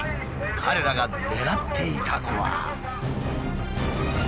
彼らが狙っていたのは。